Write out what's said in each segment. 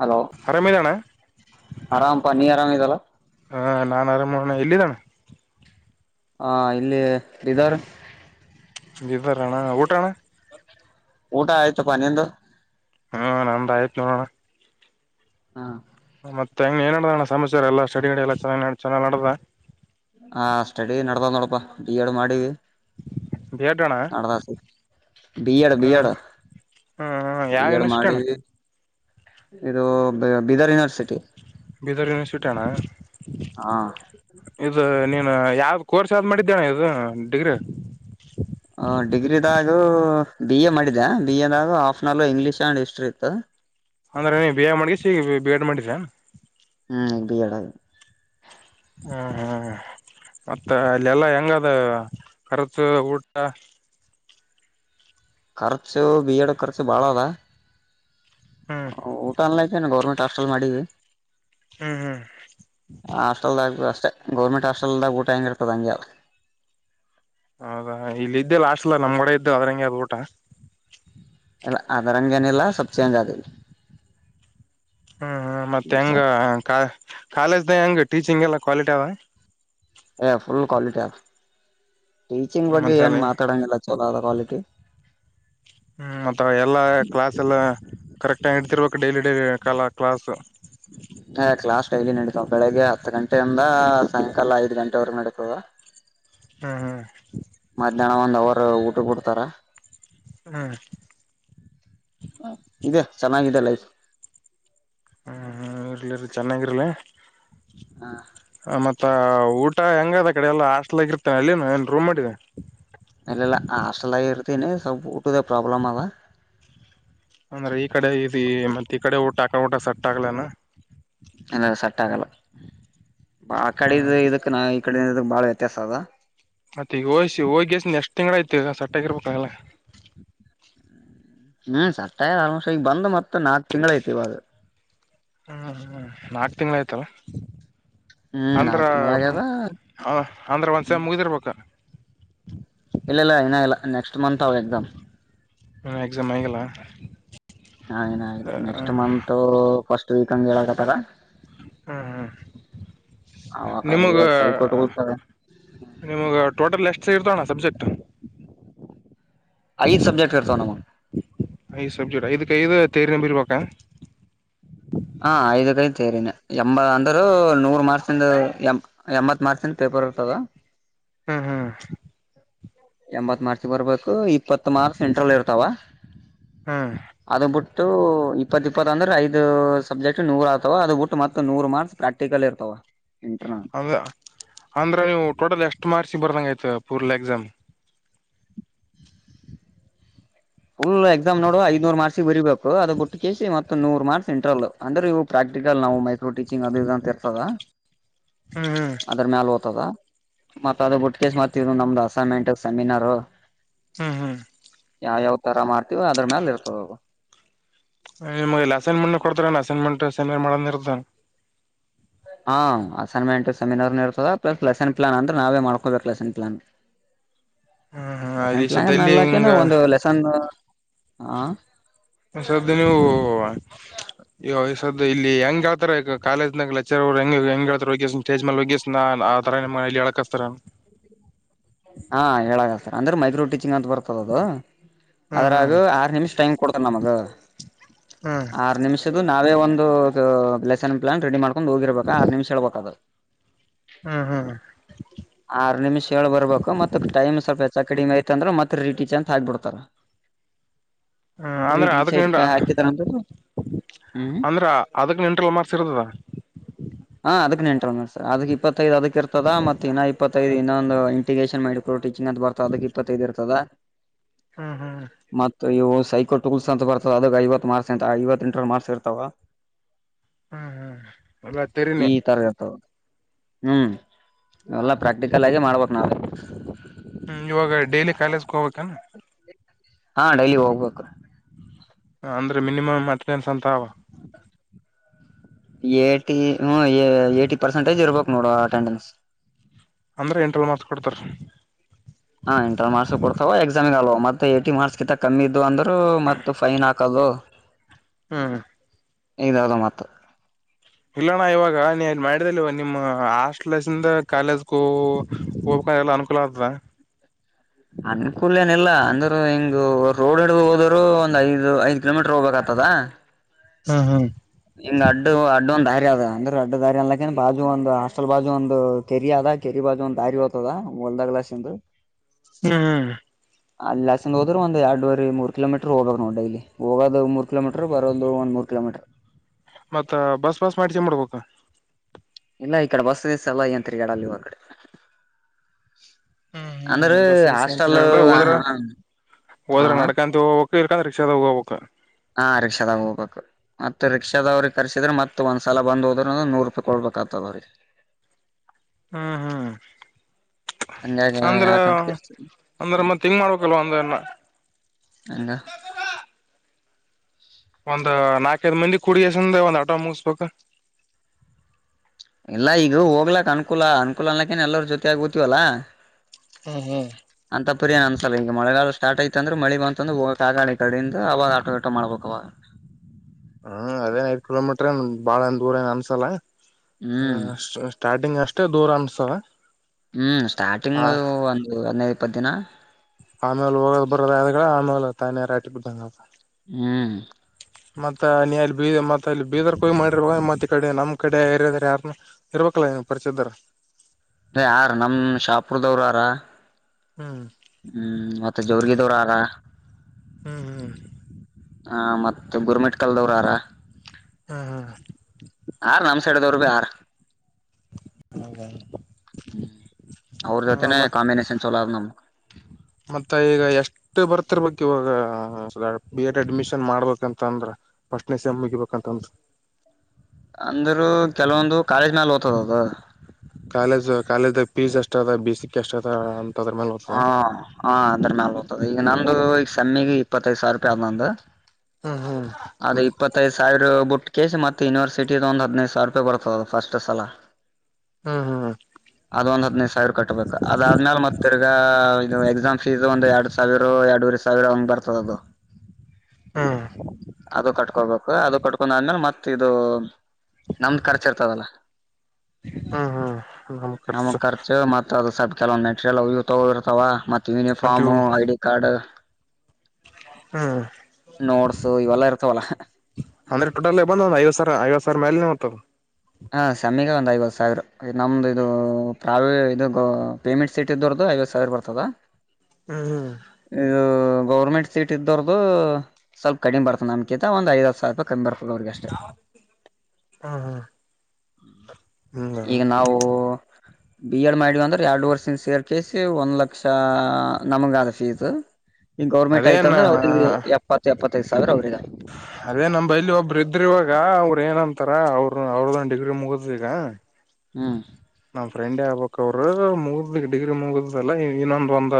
Hello ಆರಾಮ್ ಏನ್ ಅಣ್ಣ ಆರಾಮಪ ನೀ ಆರಾಮ ಇದಲ್ಲ ಹಾ ನಾನ್ ಆರಾಮಣ ಎಲ್ಲಿದ್ದಣ ಹಾ ಇಲ್ಲಿ ಬೀದರ್ ವಿಾರಣ್ಣ ಊಟ ಅಣ್ಣ ಊಟ ಆಯ್ತಪ್ಪ ನಿಂದು ಹೂ ನಂದ ಆಯ್ತು ನೋಡೋಣ ಹಾ ಮತ್ತೆ ಹೆಂಗ್ ಏನಡಣ್ಣ ಸಮಾಚಾರ ಎಲ್ಲ ಸ್ಟಡಿಲ್ಲ ಚ ನಡ್ದ ಹ ಸ್ಟಡಿ ನಡ್ತವ ನೋಡಪಾ ಬಿ ಎಡ್ ಮಾಡಿ. ಬಿ ಎಡ್ ಅಣ್ಣ ನ ಬಿಎಡ್ ಬಿ ಹ್ಮ್ ಎಡ್ ಹ್ಮ್ ಬಿ ಎಡ್ ಯಾವನುಷ್ಟ ಕಣ ಮಾಡಿವಿ ಇದು ಬೀದರ್ ಯೂನಿವರ್ಸಿಟಿ ಬೀದರ್ ಯನಿವರ್ಸಿಟಿ ಅಣ್ಣ ಹಾ ಇದು ನೀ ಯಾವ್ದ್ ಕೋರ್ಸ್ ಯಾವ್ದ್ ಮಾಡಿದ್ದೇನೆ ಇದು ಡಿಗ್ರಿ. ಹ ಡಿಗ್ರಿದಾಗ ಬಿ ಎ ಮಾಡಿದೆ ಬಿ ಎದಾಗ ಹಫ್ ಅನ್ ಅವರ್ ಇಂಗ್ಲೀಷ್ ಅ್ಯಂಡ್ ಹಿಸ್ಟ್ರಿ ಇತ್ತು. ಅಂದ್ರ ನೀ ಮಾಡ್ಗಿ ಬೇಡ್ ಮಾಡಿದ್ರಾ. ಹ್ಮ್ ಬಿ ಎಡ್ ಆಗದ ಹ್ಮ ಹಾ ಮತ್ತ ಅಲ್ಲ ಎಲ್ಲಾ ಹೆಂಗದ ಖರ್ಚು ಊಟ ಖರ್ಚು ಬಿ ಎಡ್ ಖರ್ಚು ಬಾಳ ಅದ ಹ್ಮ್ ಊಟ ಅಲಯತನೆ ಗೌರ್ಮೆಂಟ್ ಹಾಸ್ಪೆಟಲ್ ಮಾಡೀವಿ. ಹ್ಮ್ ಹ್ಮ್ ಹಾಸ್ಟೆಲ್ದಾಗ ಅಷ್ಟೆ ಗೌರ್ಮೆಂಟ್ ಹಾಸ್ಟೆಲ್ದಾಗ ಊಟ ಹೆಂಗಿರ್ ಅಂಗೇ ಅದ ಹೌದಾ ಇಲ್ಲ ಇದಿದ್ದ್ದೆ ಲಾಸ್ಟ್ಲ್ ನಮ್ಗಡೆ ಇದ್ದು ಅದ್ರಂಗೆ ಅದು ಊಟ. ಅಲ್ಲ ಅದರಂಗೇನಿಲ್ಲ ಸಪ್ ಚೇಂಜ್ ಅದ್ರಿ. ಹ್ಮ್ ಹ್ಮ ಮತ್ತೆ ಹೆಂಗ ಕಾಲೇಜ್ದ ಹೆಂಗ ಟೀಚಿಂಗ್ ಎಲ್ಲ ಕ್ವಾಲಿಟಿ ಅವ ಏ ಫುಲ್ ಕ್ವಾಲಿಟಿ ಅದ ಟೀಚಿಂಗ್ ಬಗ್ಗೆ ಮತ್ತೆ ಏನ್ ಅಲ್ಲಿ ಮಾತಾಡೋಂಗಿಲ್ಲ ಚಲೋ ಕ್ವಾಲಿಟಿ ಟೆ ಹ್ಮ್ ಮತ್ತ ಎಲ್ಲಾ ಕ್ಲಾಸ್ ಎಲ್ಲ ಕರೆಕ್ಟ್ ಆ ಹಿಡ್ತಿರ್ಬೇಕ್ ಡೈಲಿ ಡೈಲಿ ಕಾಲ ಕ್ಲಸ್ ಸ ಬೆಳಿಗ್ಗೆ ಹತ್ತು ಗಂಟೆಯಿಂದ ಸಾಯಂಕಾಲ ಐದ್ ಗಂಟೆವರೆಗ ನಡತದ ಹ್ಮ್ ಹ್ಮ್ ಮಧ್ಯಾಹ್ನ ಒಂದ್ ಅವರ್ ಊಟ ಕೊಡ್ತಾರ ಹ್ಮ್ ಇದೆ ಚೆನ್ನಾಗಿದೆ ಲೈಫ್. ಹ್ಮ್ ಹ್ಮ್ ಇರ್ಲಿ ಚೆನ್ನಾಗಿರ್ಲಿ. ಹಾ ಮತ್ತ ಊಟ ಹೆಂಗ ಅದ ಕಡೆ ಎಲ್ಲ ಹಸ್ಟಲ್ ಆಗ ಇರ್ತೇನೆ ಅಲ್ಲಿನು ಏನ್ ರೂಮ್ ಮಾಡಿದೆ. ಮಲೆಲ್ಲ ಹಾಸ್ಟೆಲ್ ಆಗಿ ಇರ್ತೀನಿ ಸ್ವಲ್ಪ ಊಟದ ಪ್ರಾಬ್ಲಮ್ ಅದ ಅಂದ್ರೆ ಈ ಕಡೆ ಇ ಮತ್ತತ್ ಈ ಕಡೆ ಊಟ ಆಕ ಊಟ ಸಟ್ ಆಗ್ಲನಾ ಇಲ್ಲ ಸಟ್ ಆಗಲ್ಲ ಆ ಕಡೆದು ಹ್ಮ್ ಇದಕ್ ನಾ ಕಡೆ ಬಾಳ ವ್ಯತ್ಯಾಸ ಅದ ಮತ್ತ ಈಗ ಹೋಯಸ ಹೋಗಿಸ ಎಷ್ಟ್ ತಿಂಗಳ ಆಯತು ಸಟ್ಟಗರ್ಬೇಕಾಗಲ್ಲ ಹ್ಮ್ ಸಟ್ಟಾಯ ಆಲ್ಮೋಸ್ಟ್ ಈಗ ಬಂದ ಮತ್ತತ್ ನಾಕ್ ತಿಂಗ್ಳ ಐತಿವಾಗ ಹ್ಮ್ ಹ್ಮ್ ನಾಲ್ಕು ತಿಂಗ್ಳ ಆಯ್ತಲ. ಹ್ಮ್ ಅಂದ್ರ ನಾಕ್ ತಿಂಗಳ ಆಗ್ಯದ ಅಂದ್ರ ಒಂದ್ಸೇಮ್ ಮುಗಿದಿರ್ಬೇಕ್ [inaudible] ಇಲ್ಲ ಇಲ್ಲ ಇನ ಇಲ್ಲ ನೆಸ್ಟ್ ಎಕ್ಜಾಮ್ ಆಗಿಲ್ಲ ಹನ ಹ ನೆಕ್ಸ್ಟ್ ಮಂತ್ ಫಸ್ಟ್ ವೀಕ್ಂಗ ಹೇಳಕತ್ತಾರ. ಅವಾಗ ನಿಮಗೆ ಇವಾಗ ಸೈಕೋಟ್ ಹೋಗ್ತಾರ ನಿಮಗೆ ಟೋಟಲ್ ಎಸ್ಟ್ ಸಿ ಇರ್ತ ಅಣ್ಣ ಸಬ್ಜೆಕ್ಟ್. ಐದ್ ಸಬ್ಜೆಕ್ಟ್ ಹತ ನಮ್ಮಗ ಐದು ಸಬ್ಜೆಕ್ ಇದಕ್ಕೆೈದು ತೇರಿ ನಂಬಿ ಇರ್ಬೇಕ ಹಾ ಐದ ಕೈ ತೇರಿನ ಎಂಬ ಅಂದ್ರೂ ನೂರ್ ಮಾರ್ಸಿಂದ ಎ ಎಂಬತ್ ಮಾರ್ಸ ಪೇಪರ್ ಬರುತದ ಹ್ಮ್ ಹ್ಮ್ ಎಂಬತ್ ಮರ್ಕ್ರಿ ಬರ್ಬೇಕು ಇಪ್ಪತ್ ಮಾರ್ಕ್ ಸೆಂಟ್ರಲ್ ಇರ್ತಾವ ಹ್ಮ ತ ಇಪ್ಪತ್ ಇಪ್ಪತ್ ಅಂದ್ರೆ ಐದ್ ಸಬ್ಜೆಕ್ಟ್ ನೂರ್ ಆಗ್ತವ ಅದು ಬಿಟ್ಟು ಮತ್ತ ನೂರ್ ಮಾರ್ಕ್ಸ್ ಪ್ರಾಕ್ಟಿಕಲ್ ಇರ್ತವ ಅಂದ ಅಂದ್ರೆ ನೀವು ಟೋಟಲ್ ಎಷ್ಟು ಮಾರ್ಕ್ಸಿಗೆ ಬರ್ದಂಗ ಆಯ್ತ ಪೂರ್ಲ ಎಕ್ಸಾಮ್ ಫುಲ್ ಎಕ್ಸಾಮ್ ನೋುವ ಐ್ನೂರ್ ಮಾರ್ಕ್ಿ ಬರಿಬೇಕು ಅದು ಗ ಬಿಟ್ಟ ಕೇಳಿಸಿ ಮತ್ತೆ ನೂರ್ ಮಾರ್ಕ್ಸ್ ಇಂಟ್ರಲ್ ಅಂದ್ರೆ ಇವು ಪ್ರಾಕ್ಟಿಕಲ್ ನಾವು ಮೈಕ್ರೋ ಟೀಚಿಂಗ್ ಅದು ಅಂತ ಇರ್ತದ ಹ್ಮ್ ಹ್ಮ್ ಅದರ ಮ್ಯಲ್ ಓ್ತದ ಮತ್ತ ಅದ ಬಿುಟ್ಕಸ್ ಮತಿದರು ನಮ್ದು ಅಸೈನ್ಮೆಂಟ್ ಸೆಮಿನಾರ್ ಹ್ಮ್ ಹ್ಮ್ ಯಾವ ಯಾವ್ ತರ ಮಾಡ್ತೀವ ಅದ್ರ ಮ್ಯಾಲ ಇರ್ತದ ಮಲ್ಲಿ ಅಸೈನ್ಮೆಂಟ್ ಕೊಡ್ತಾರಾನ ಅಸೈನ್ಮೆಂಟ್ ಸೈನ್ರ್ ಮಾಡ ಇರ್ತಾನ ಹಾ ಅಸೈನ್ಮೆಂಟ್ ಸೆಮಿನಾರ್ ಇರ್ತದೆ ಪ್ಲಸ್ ಲೆಸನ್ ಪ್ಲಾನ್ಂದ್ರೆ ನಾವೇ ಮಾಡ್ಕೊಬೇಕು ಲೆಸನ್ ಪ್ಲಾನ್ ಹ್ಮ್ ಸನ್ ಇಲ್ಲಿ ಪಾಂಗ ಸದ್ಯಲ್ಲಿ ನಲ್ಲಕ್ಕಏನು ಹಿಂಗ ಒಂದು ಲೆಸನ್ ಹ ಸ್ದ ನೀವು ಈ ವಯ್ಸ್ದು ಇಲ್ಲಿ ಹೆಂಗಗೆ ಹೇಳ್ತ ಕಾಲೇಜನ ಲೆಚರ್ ಅವ್ರು ಹೆಂಗ ಹೆಂಗ ಹೇಳ್ತಾರೆಗ ಸ್ಟೇಜ್ ಮೇಲೆಗೆಗಿಸ್ಾ ಆ ತರ ನಿಮ್ಮ ಮನಲಿ ಎ ಹೇಳಕಸ್ತರ ಹಾ ಹೇಳಗತರ್ ಅಂದ್ರೆ ಮೈಕ್ ರೋಟಿ ಚಿಂಗಂತ ಬರ್ತದ ಅದು ಹ್ಮ್ ಅದ್ರಾಗ ಹ್ಮ್ ಆರು ನಿಮಿಷ ಟೈಮ್ ಕೊಡ್ತದೆ ನಮಗ ಹ್ಮ್ ಆರ್ ನಿಮಿಷ್ದ ನಾ ನಾವೇ ಒಂದುಲೆಸನ್ ಪ್ಲಾನ್ ರೆಡಿ ಮಾಡ್ಕೊಂಡು ಹೋಗಿರ್ಬೇಕ ಆರ್ ನಿಮಿಷ ಹೇಳ್ಬೇಕಾದ್ರದು ಹ್ಮ್ ಹ್ಮ್ ಆರ್ ನಿಮಿಷ ಹೇಳಳ ಬರ್ಬೇಕ ಮತ್ತ ಟೈಮ್ ಸ್ವಲ್ಪಚ್ಚ ಕಡಿಮೆ ಐತ ಅಂದ್ರೆ ಮತ್ತ ರೀಟಿ ಚೆ ಅಂತ ಹಾಕ್ಬಿಡ್ತಾರ ಹ್ಮ ಅಂದ್ರ ರೇಟ್ ಅದಕ್ ನಿನ್ ಕ ಚ ಕತ್ರರಂತ ಅಂದ್ರ ಅದಕ್ ನೆಂಟ್ರಲ್ ಮಾರ್ಸಿರದದ ಹಾ ಅದಕ್ ನೆಂಟ ಸರ್ ಅಕ್ ಇಪ್ಪತ್ತೈದು ಅದಕ್ ಇರ್ತದ ಮತ್ತ ಇನ್ನ ಇಪ್ಪತ್ತೈದು ಇನ್ನೊಂದು ಇಂಟಿಗೇಷನ್ ಮಾಡಿ ಚನ್ನದ್ ಬರ್ತದ ಇಪ್ಪತ್ತದು ಇರ್ತದ ಹ್ಮ್ ಹ್ಮ್ ಮತ್ತ ಇವ ಸೈಕೋಲ್ ಟೂಲ್ಸ್ ಅಂತ ಬರ್ತದ ಅದಕ್ಕೆ ಐವ ಮಾರ್ಕ್ಸ್ ಎ ಐವತ್ತ ಎಂಟರ ಮಾರ್ಕ್ಸ್ ಇರ್ತಾವ ಹ್ಮ್ ಹ್ಮ್ ಎಲ್ಲ ತೆರಿನೇ ಈ ತರಗತ ಹ್ಮ್ ಎಲ್ಲ ಪ್ರಾಕ್ಟಿಕಲ್ ಆಗಿ ಮಾಡ್ಬೇಕೇಕ್ು ನಾವ ಹ್ಮ್ ಇವಾಗ ಡೈಲಿ ಕಾಯಾಲೇಜಗೆ ಹೋಗ್ಬೇಕಾನ ಹಾ ಡೈಲಿ ಹೋಗ್ಬೇಕು ಅಂದ್ರೆ ಮಿನಿಮ್ ಅತ್ತೆನ್ಸ್ ಅಂತ ಅವ [inaudible] ಏಿ ಹ ಏಟಿ ಪರ್ಸೆಂಟೇಜ್ ಇರ್ಬೇಕು ನೋಡ ಅಟೆಂಡೆನ್ಸ್ ಅಂದ್ರರೆ ಎಂಟ್ರಲ್ಲಿ ಮಾತು ಕೊೊಡ್ತಾರೆ ಹಾ ಇಂಟರ್ ಮಾರ್ಕ್ಸ್ ಕೊಡ್ತವ ಎಕ್ಸಾಮಿ ಅಲ್ವ ಮತ್ತ ಏಟಿ ಮಾರ್ಕ್ಸ್ ಗಿಂತ ಕಮ್ಮಿ ಇದು ಅಂದ್ರ ಮತ್ತ ೈನ್ ಹಾಕ ಅದು ಹ್ಮ ಇದಾವದ ಮತ್ತ ಇಲ್ಲಣ್ಣ ಇವಾಗ ನೀ ಮಾಡಿದಲ್ವ ನಿಮ್ಮ ಹಾಸ್ಟ್ಲಸ್ಿಂದ ಕಾಲೇಜ್ಗೂ ಹೋಗ ನ ಎಲ್ಲ ಅನುಕೂಲ ಆದ ಅನುಕೂಲ್ನ ಇಿಲ್ಲ ಅಂದ್ರೂ ಹಿಂಗ ರೋಡ್ ಹಿಡ್ಗ ಹೋದರು ಒಂದ್ ಐದು ಐದು್ ಕಿಲೋಮೀಟರ್ ಹೋಗ್ಬೇಕಾಗತದ ಹ್ಮ್ ಹ್ಮ್ ಹಂಗ್ ಅಡ್ಡು ಅಡ್ಡು ಒಂದ ಅದ ಅಂದ್ರೆ ರಡ್ ದಾರಿ ಅನ್ಕಂದ ಬಾಜು ಒಂದು ಹಸ್ಲ್ ಬಾಜು ಒಂದು ಕೆರಿ ಅದ ಕೆರಿ ಬಾಜು ಒಂದು ದಾರಿ ್ತದ ಒಲ್ದಾ ಗ್ಲಾಸ್ಂದು ಹ್ಮ ಹ ಅಲ್ಲಿಸಂದ ಹೋದ್ರೆ ಒಂದ ಎರಡ್ುವರೆ ಮೂರು ಕಿಲೋಮೀಟರ್ ಹೋಗಬೇಕಕ್ ನೋಡ ಇಲ್ಲಿ ಹೋಗೋದು ಮೂರು ಕಿಲೋಮೀಟರ್ ಬೋದು ಒಂದ್ ಮೂರು ಕಲೋಮೀಟರ್ ಮತ್ತ ಬಸ್ ಬಾಸ್ ಮಾಡ ಚ ಮಾಡಡ್ಬೇಕ ಇಲ್ಲ ಇಕಡೆ ಬಸ್ಸ ದಸ ಎಲ್ಲ ಏತ್ರಿಗಡ ನೀವು ಅಡೆ ಹ್ಮ್ ಅಂದರುೂ ಹ್ಮ್ ಬಸ್ ಗೀಸ್ ಅಂತ ಹಾಸ್ಟಲ್ ಹೇಳಲ್ಲ ಹೋದ್ರ ಹ ಕ್ಕಾ್ರರಿಕ್ಷದ ಹಊೋಗಾ ಹಾ ರಿಕ್ಷಾದಾಗ ಹೋಗ್ಬೇಕ ಮತ್ ರಿಕ್ಷಾದವ್ರರು ಕರ್ಸಿದ್ರೆ ಮತ್ತತ್ ಒಂದ್ ಸಲ ಬಂದ ಹೋದ್ರ ನೂರು ರೂಪಾಯಿ ಕೊಡ್ಬೇಕು ಕಲಕತ ರಿ ಹ್ಮ್ ಹ್ಮ್ ಹಂಗಾಗಿ ಅಂದ್ರ ಯಾಕಂತ ಕೇಳ್ಸ್ತೀನಿ ಅಂದ್ರ ಮತ್ತ ಹೆಿಂಗ್ ಮಾಡ್ಬೇಕಲ್ವ ಅಂದನ ನಂಗಂಗ ಒಂದ್ ನಾಕೈದ್ ಮಂದಿ ಕುಡಸಂದೆ ಒಂದ್ ಆಟೋ ಮುಗಸ್ಬೇಕ ಇಲ್ಲ ಈಗ ಹೋಗ್ಲಕ್ ಅನುಕೂಲ ಅನುಕೂಲ ಅನ್ಲಕ್ಕೇನ್ ಎಲ್ಲರ ಜೊತೆ ಆಗ್ಬತಿವಲ್ಲಾ ಹ್ಮ್ ಹ್ಮ್ ಪು ಏನ್ ಅನ್ಸಲ್ಲ ಈಗ ಮಳೆಗಾಲ ಸ್ಟಾರ್ಟ್ ಐತ ಅಂದ್ರ ಮಳಿ ಬಂತಂದಂದು ಕಾಗಾೆ ಕಡೆಯಿಂದ ಅವಾಗ ಆಟೋ ಆಟ ಮಾಡ್ಬೇಕವಾಗ [inaudible] ಹ್ಮ್ ಅದೇ ಐ್ ಕಿಲೋಮೀಟ್ರ ಏ ಬಾಳನ್ ದೂರ ಏನ್ ಅನ್ಸಲ್ಲ ಹ್ಮ್ ಹ ಸ್ಟಾರ್ಟಿಂಗ್ ಅಷ್ಟೇ ದೂರ ಅನ್ಸ ಹ್ಮ್ ಸ್ಟಾರ್ಟಿಂಗ್ ಒಂದು ಹದ್ಿನೈದು ಇಪ್ಪತ್ತು ದಿನ ಆಮೇಲೆ ಹೋಗೋದು ಬರೋದ ಆದಡೆ ಆಮೇಲೆ ತಾಯಿಯಾರ ಆಟಿ ಬಿ್ದಂಗ ಹ್ಮ್ ಮತ್ತತ್ ನೀ ಅಲ್ಲಿ ಬೀದ ಮತ್ ಅಲ್ಲಿ ಬೀದರ್ ಕೋಯ್ ಮಾಡಿರುವ ಮತ್ ಈ ಕಡೆ ನಮ ಕಡೆ ರದರೆ ಯಾರನ್ನ ಇರ್ವಕ್ಕಳ ಪರಿಚದರ ಯಾರ ನಮ ಶಾಪುರದವರು ಯಾರ ಹ್ಮ್ ಹ್ಮ್ ಮತ್ತೆ ಜೋರ್ಗ ದೋಡ ಅಾರ ಹ್ಮ್ ಹ್ಮ್ ಹಾ ಮತ್ತ ಗುರ್ಮೆಟ್ಕಲ್ದವ್ರಾರ ಹಾ ಹಾ ಆಾರ ನಮ್ ಸೈಡ್ದವರು ಭಿ ಯಾರ ಹಾಗೌ ಅವ್ರ ಹ ಜೊತೆನೆ ಮತ್ ಕಾಂಬಿನೇಷನ್ ಚಲೋ ಅದ ನಮ್ ಮತ್ತ ಈಗ ಎಷ್ಟ ಮೆ ಬರ್ತಿರ್ಬೇಕು ಇವಾಗ ಬಿ ಎಡ್ ಅಡ್ಮಿಷನ್ ಮಾಡ್ಬೇಕಂತ ಅಂದ್ರ ಫಸ್ಟ್ನಸಮ್ ಮುಗಿಬೇಕಂತ ಹೌ ಅಂದರುೂ ಕೆಲವೊಂದು ಕಾಲೇಜ್ ಮೇಲೆ ಓ್ತದ ಅದು ಕಾಲೇಜ್ ಕಾಲೇಜ್ ಫೀಸ್ ಎಷ್ಟ ಅದ ಬ ಸಿ ಎಷ್ಟ ಅದ ಅದ್ರ ಮೇಲೆ ಹ ಹೋಗ್ತದ ಹ ಅದ್ರ ಮ್ಯಾಲ ಹೋಗ್ತದೆ ಈಗ ನಂದು ಈಗ ಸಮ್ಮಿಿಗೆ ಇಪ್ಪತ್ತೈದು ಸಾವಿರ ರೂಪಾಯಿ ಆದ್ ನಂದು ಹಾ ಹ್ಮ ಅದ ಇಪ್ಪತ್ತೈದು್ ಸಾವಿರ ಬಟ್ಟ ಕೆಸ್ ಮತ್ತ ಯನಿವರ್ಸಟಿದು ಒಂದು ಹದಿನೈದು ಸಾವಿರ ರೂಪಾಯಿ ಬರ್ತದ ಫಸ್ಟ್ ಸಲ ಹ್ಮ ಹಾ ಅದ ಒಂದ ಹದ್ನೈದು ಸಾವಿರ ಕಟ್ಬೇಕು ಅದಾದ್ಮೇಾಲ ಮತ್ತ ತಿರ್ಗ ಇದು ಎಕ್ಸಾಮ್ ಫೀಸ್ ಒಂದ ಎರಡ್ ಸಾವಿರ ಎರಡೂರು ಸಾವಿರ ಒಂಬರ್ದದು ಹ್ಮ್ ಅದು ಕಟ್ಕೋಬೇಕು ಅದು ಕಟ್ಕೊಂಡ ಆದ್ಮೇಲೆ ಮತ್ ಇದು ನಮ್ದ್ ಖರ್ಚ ಇರ್ತದಲ್ಲ ಹ್ಮ್ ಹ್ಮ್ ಹ್ಮ್ ನಮ್ ನಮ ಖರ್ಚು ಮತ್ತ ಅದು ಸ ಕೆಲವೊ್ ಮೆಟೀರಿಯಲ್ ಅ ತಗ ಇರ್ತವ ಮತ್ತ ಯೂನಿಫಾರ್ಮ್ ಐಡಿ ಕಾರ್ಡ್ ಹ್ಮ್ ನೋಡ್ಸು ಇವೆಲ್ಲ ಅಂದ್ರೆ ಟೋಟಲ್ ಬಂದ ಐವದ ಸಾವಿರ ಐವತ್ತು ಸಾವಿರ ಮೇಲೆ ಹೊ್ತದದು ಹಾ ಸಮಗ ಒಂದ್ ಐವತ್ತು ಸಾವಿರ ನಮ್ದು ಇದು ಪ್ರಾವ ಇ ಪೇಮೆಂಟ್ ಸೀಟ್ ಇದರದುು ಐವತ್ತು ಸಾವಿರ ಬರ್ತದಾ ಹ್ಮ್ ಹ್ಮ್ ಗೌರ್ಮೆಂಟ್ ಸೀಟ್ ಇದ್ದೋ್ರ್ದು ಸ್ವಲ್ಪ ಕಡಿಮ ಬರ್ತದೆ ನಮ್ಕಿಂತ ಒಂದ ಐದ ಸಾವಿ ರಾಯ [unintelligible] ಅವರಿಗೆ ಅಷ್ಟೇ ಹ್ಮ್ ಹ್ಮ್ ಹ್ಮ್ ಈಗ ನಾವು ಬಿ ಎಡ್ ಮಾಡವ ಅಂದ್ರೆ ಎರಡು ವರ್ಷಿಂದ ಸೇರ್ಕಸಿ ಒಂದ್ ಲಕ್ಷ ನಮಗ ಅದ ಫೀಸ್ ಈಗ ಗೌರ್ಮೆಂಟ್ ಆಯ್ತು ಅದೇನ ಅಂದ್ರ ಅವ್ರಿಗೆ ಎಪ್ಪತ್ ಎಪ್ಪತ್ತೈದು ಸಾವಿರ ಅವ್ರಿಗ ಈಗ ಅವ್ರ ಏನ್ಂತಾರ ಅವ್ರರು ಅವ್ರದನ್ ಡಿಗ್ರಿ ಮುಗುದ ಈಗ ಹ್ಮ್ ನಮ್ ಫ್ರೆಂಡೇ ಆಗ್ಬಕ್ ಅವರು ಮುಗ್ದಕ್ ಡಿಗ್ರಿ ಮುಗುದಲ್ಲ ಇನ್ನೊಂದ ಒಂದ್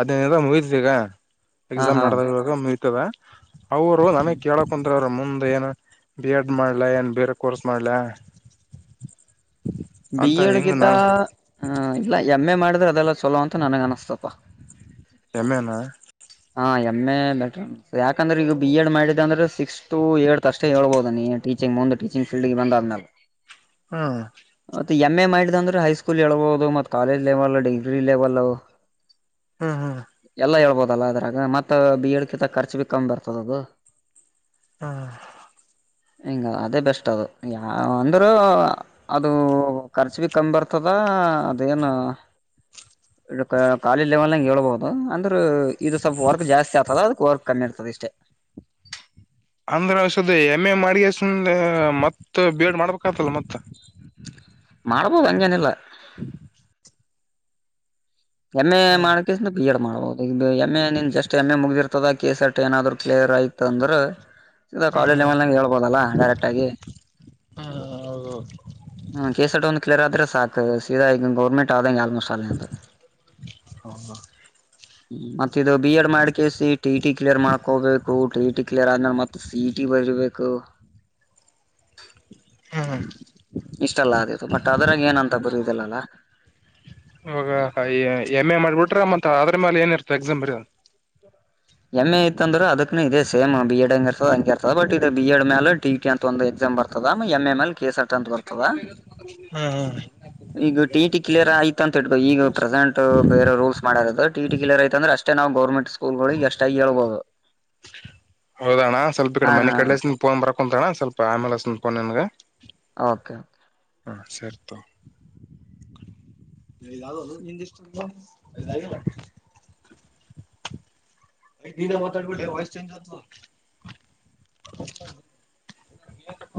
ಹದ್ನೈದ [unintelligible] ಹಾ ಎಕ್ಸಾಮ್ ಹಾ ನಡೆದಾಗ ಮುತದೆ ಅವರು ನನಗ್ ಕೇಳಕ್ ಅಂದ್ರ ಅವರು ಮುಂದ ಏನು ಬಿ ಎಡ್ ಮಾಡ್ಲ ಏನ್ ಬೇರೆ ಕೋರ್ಸ್ ಮಾಡ್ಲ ಬಿ ಎಡ್ ಗಿಂತ [inaudible] ಇಲ್ಲ ಎಂ ಎ ಮಾಡ್ ಅದೆಲ್ಲ ಚಲ್ಲೋ ಅಂತ ನನಗೆ ಅನಸ್ತಪ್ಪಾ ಎಂ ಎ ನ ಹಾ ಎಮ್ ಎ ಬೆಟ್ರ ಯಾಕಂದ್ರೆ ಈಗ ಬಿ ಎಡ್ ಮಾಡಿದ್ದ ಅಂದ್ರೆ ಸಿಕ್ಸ್ತ್ ಏಳ್ತ್ ಅಷ್ಟೇ ಹೇಳ್ಬೋದ ನೀ ಟೀಚಿಂಗ್ ಮುಂದೆ ಟೀಚಿಂಗ್ ಫೀಲ್ಡ್ಗೆ ಬಂದಾದ್ಮೇಲೆ ಹಾ ಮತ್ತೆ ಎಮ್ ಎ ಮಾಡಿದ ಅಂದ್ರೆ ಹೈಸ್ಕೂಲ್ ಹೇಳ್ಬಹುದು ಮತ್ತ ಕಾಲೇಜ್ ಲೆವೆಲ್ ಡಿಗ್ರಿ ಲೆವೆಲ್ ಹ್ಮ್ ಹ್ಮ್ ಎಲ್ಲಾ ಹೇಳ್ಬೋದು ಅಲದ್ರಾಗ ಮತ್ತ ಬಿ ಎ ಎಡ್ ಕಿಂತ ಖರ್ಚ ಕಮ್ಮಿ ಬರ್ತದ ಅದು ಹಾ ಹಂಗ ಅದೇ ಬೆಸ್ಟ್ ಅದು ಅಂದ್ರ ಅದು ಖರ್ಚ ಬಿ ಕಮ್ಮ್ ಬರ್ತದ ಅದೇನು ಕಾಲೇಜ್ ಲೆವೆಲ್ ನಂಗ ಹೇಳ್ಬಹುದು ಅಂದ್ರೆ ಇದು ಸ್ವಲ್ಪ ವರ್ಕ್ ಜಾಸ್ತಿ ಆಗ್ತದ ಅದಕ್ಕೆ ವರ್ಕ್ ಕಮ್ಮಿ ಇರ್ತದೆ ಇಷ್ಟೇ ಒಂದ್ರ ವರ್ಷದ ಎಮ್ ಎ ಮಾಡಿ ಸುಮ್ನ ಮತ್ತ ಬಿ ಎಡ್ ಮಾಡ್ಬೇಕ ಆತಲ್ಲ ಮತ್ತ ಮಾಡಬೋದು ಅಂಗೇನಿಲ್ಲ [inaudible] ಎಮ್ ಎ ಹ್ಮ್ ಮಾಡೋ [unintelligible] ಮಾಡ್ಬಹುದು ಎಮ್ ಎ ನೀನ್ ಜಸ್ಟ್ ಎಮ್ ಎ ಮುಗ್ದಿರ್ತದ ಕೆ ಎಸ್ರ್ಟ್ ಏನಾದ್ರು ಕ್ಲಿಯರ್ ಆಯತಂದ್ರೆ ಈಗ ಕಾಲೇಜ್ ಹ್ಮ್ ಲೆವೆಲ್ನಾಗ ಹೇಳ್ಬೋದ ಅಲ್ಲ ಡೈರೆಕ್ಟ್ ಆಗಿ ಹಾ ಹಾ ಹೌದೌದು ಹ್ಮ್ [unintelligible] ಒಂದು ಕ್ಲಿಯರ್ ಆದ್ರೆ ಸಾಕು ಸೀದಾ ಈಗ ಗೌರ್ಮೆಂಟ್ ಆದಂಗೆ ಆಲ್ಮೋಸ್ಟ್ ನಿಂದು ಹೌದಾ ಮತ್ತ ಇದು ಬಿ ಎಡ್ ಮಾಡ್ಕಸ ಟಿ ಟಿ ಕ್ಲಿಯರ್ ಮಾಡ್ಕೋಬೇಕು ಟಿ ಟಿ ಕ್ಲಿಯರ್ ಆದ್ಮೇಲೆ ಮತ್ತ ಸಿಟಿ ಬರರ್ಬೇಕು ಹ್ಮ್ ಇಷ್ಟಲ್ಲ ಅದು ಬಟ್ ಅದರಾಗ ಏನಂತ ಬರಿಲ್ಲಲ್ಲ ಆಗ ಎಮ್ ಎ ಮಾಡ್ಬಿಟ್ರ ಮತ್ತ ಅದ್ರ ಮ್ಯಾಲ ಏನಿರ್ತ ಎಕ್ಸಾಮ್ ಬರ ಎಂ ಎ ಇತ್ ಅಂದ್ರೆ ಅದಕ್ನು ಇದದೆ ಸೇಮ್ ಬಿ ಎಡ್ ಹಂಗ ಇರ್ತದ ಹಂಗಗೆ ಇರ್ತದ ಬಟ್ ಇ ಬಿ ಎಡ್ ಮೇಾಲ ಡಿ ಕೆ ಅಂತ ಒಂದ ಇದ ಬರ್ತದ ಎಂ ಎ ಮೇಲೆ [unintelligible] ಅಂತ ಬರ್ತದ [unintelligible] ಈಗ ಟಿಟಿ ಕ್ಲಿಯರ್ ಯಐತ ಅಂತ ಇಟ್ಕೊಂಡು ಈಗ ಪ್ರೆಸೆಂಟ್ ಬೇರೆ ರೂಲ್ಸ್ ಮಾಡರದು ಟಿಟಿ ಕ್ಲಿಯರ್ ಆಯ್ತು ಅಂದ್ರೆಷ್ಟೆ ಅಷ್ಟೇ ನಾವು ಗೌರ್ಮೆಂಟ್ ಸ್ಕೂಲ್ಗಳಿಗೆ ಎಷ್ಟಾಗಿ ಹೇಳ್ಬಹುದು ಹೌದಾಣ್ಣ ಸ್ವಲ್ಪ ಈ ಕಡೆ ಮನೆ ಕಡಲೆಸ ಫೋನ್ ಬರಕಂತವ ಅಣ್ಣ ಸ್ವಲ್ಪ ಆಮೇಲೆಸ ಪೋನ್ಗ ನಿಮ್ಗ ಓಕೆ ಓಕೆ ಹಾ ಸರಿ ತಗೋ [unintelligible] [unintelligible] [unintelligible]